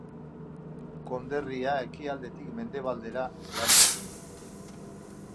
Konderria ekialdetik mendebaldera zeharkatzen du.